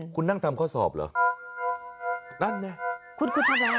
คุณนั่งทำข้อสอบเหรอนั่นเนี่ยคุณคุณทะเว้น